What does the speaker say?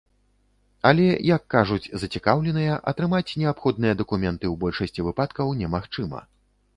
Але, як кажуць зацікаўленыя, атрымаць неабходныя дакументы ў большасці выпадкаў немагчыма.